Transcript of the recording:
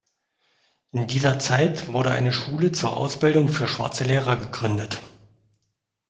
In dieser Zeit wurde eine Schule zur Ausbildung für schwarze Lehrer gegründet.